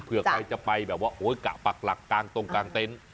เผื่อใครจะไปแบบว่ากะปักหลักกางตรงกางเต้น